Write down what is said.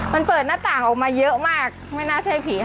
มันเปิดหน้าต่างออกมาเยอะมากไม่น่าใช่ผีค่ะ